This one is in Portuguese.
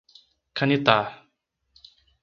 Canitar